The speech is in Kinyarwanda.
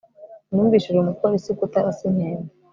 numvishije umupolisi kutarasa inkende